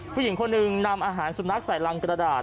ผู้หญิงคนหนึ่งนำอาหารสุนัขใส่รังกระดาษ